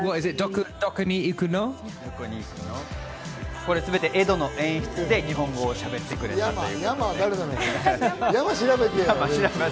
これすべて、エドの演出で日本語をしゃべってくれたということです。